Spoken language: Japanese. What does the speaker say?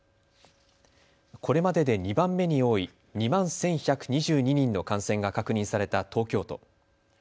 これまでで２番目に多い２万１１２２人の感染が確認された東京都。